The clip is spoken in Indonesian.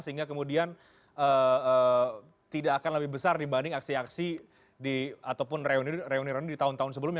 sehingga kemudian tidak akan lebih besar dibanding aksi aksi ataupun reuni reuni di tahun tahun sebelumnya